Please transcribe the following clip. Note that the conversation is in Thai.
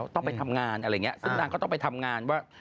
ต้องไปทำงานอะไรอย่างนี้ซึ่งนางก็ต้องไปทำงานว่า